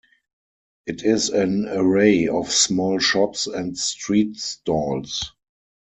It is an array of small shops and street stalls.